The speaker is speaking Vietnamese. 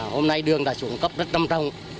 hôm nay đường đã xuống cấp rất trăm trồng